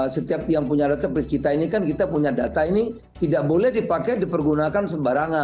setiap yang punya database kita ini kan kita punya data ini tidak boleh dipakai dipergunakan sembarangan